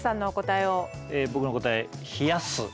え僕の答え冷やす。